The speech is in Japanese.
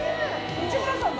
内村さんだ。